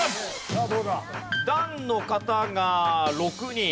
「団」の方が６人。